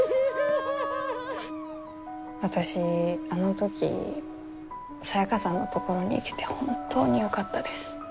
私あの時サヤカさんのところに行けて本当によかったです。